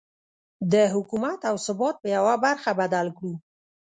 د حکومت او ثبات په يوه برخه بدل کړو.